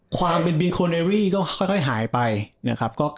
ความเป็นบิงโคเรรี่ก็ค่อยหายไปนะครับ